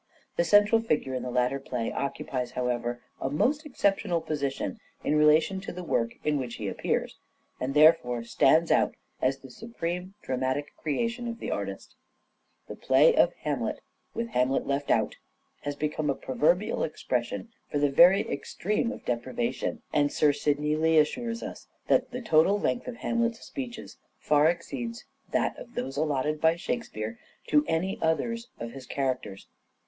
The central figure in the latter play occupies, how ever, a most exceptional position in relation to the work in which he appears, and therefore stands out as the supreme dramatic creation of the artist. "The DRAMATIC SELF REVELATION 461 play of ' Hamlet ' with Hamlet left out " has become a proverbial expression for the very extreme of deprivation ; and Sir Sidney Lee assures us that " the total length of Hamlet's speeches far exceeds that of those allotted by Shakespeare to any others of his characters."